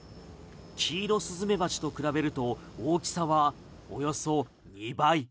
キイロスズメバチと比べると大きさはおよそ２倍。